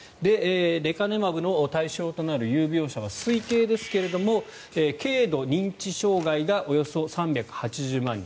レカネマブの対象となる有病者は推計ですが、軽度認知障害がおよそ３８０万人。